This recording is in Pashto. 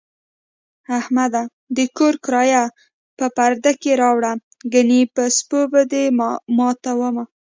احمده! د کور کرایه په پرده کې راوړه، گني په سپو دې ماتوم.